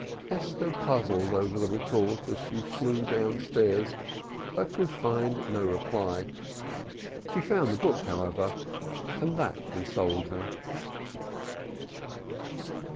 Esther puzzled over the retort as she flew downstairs, but could find no reply. She found the book, however, and that consoled her.